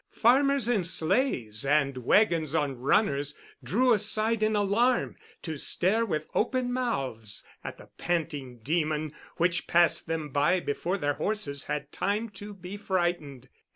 Farmers in sleighs and wagons on runners drew aside in alarm, to stare with open mouths at the panting demon—which passed them by before their horses had time to be frightened.